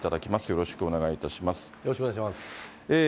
よろしくお願いします。